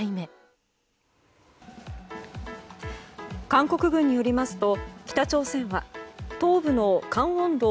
韓国軍によりますと北朝鮮は東部のカンウォン道